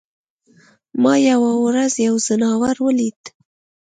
ما یوه ورځ یو ځناور ولید.